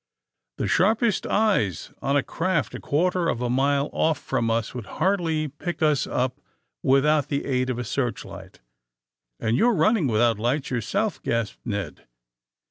^^The sharpest eyes on a craft a quarter of a mile off from us would hardly pick us up without the aid of a searchlight." ^^And you're running without lights your self," gasped Ned.